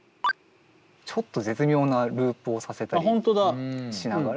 ちょっと絶妙なループをさせたりしながら。